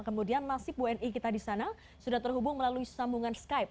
kemudian nasib wni kita di sana sudah terhubung melalui sambungan skype